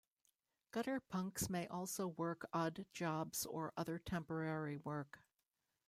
Gutter punks may also work odd jobs or other temporary work.